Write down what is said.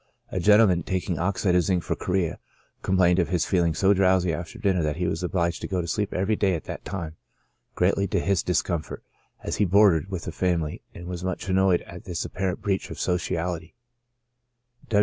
A gentleman, taking oxide of zinc for chorea, complained of his feeling so drow sy after dinner that he was obliged to go to sleep every day at that time, greatly to his discomfort, as he boarded with a family, and was much annoyed at this apparent breach of sociaHty.